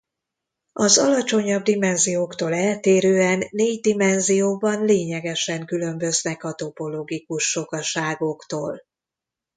Az alacsonyabb dimenzióktól eltérően négy dimenzióban lényegesen különböznek a topologikus sokaságoktól.